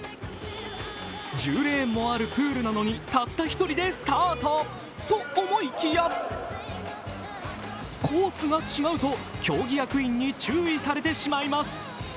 １０レーンもあるプールなのにたった１人でスタートと、思いきや、コースが違うと競技役員に注意されてしまいます。